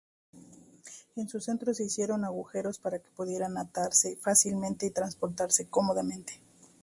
En su centro se hicieron agujeros para que pudieran atarse fácilmente y transportarse cómodamente.